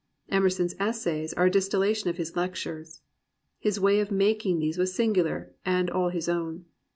Emerson's Essays are a distillation of his lectures. His way of making these was singular and all his own.